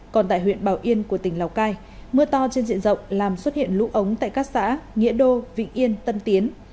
còn tại huyện bảo yên của tỉnh lào cai mưa to trên diện rộng làm xuất hiện lũ ống tại các xã nghĩa đô vĩnh yên tân tiến